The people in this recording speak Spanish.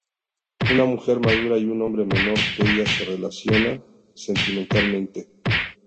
Una mujer madura y un hombre menor que ella se relacionan sentimentalmente.